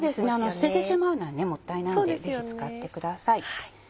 捨ててしまうのはもったいないのでぜひ使ってください。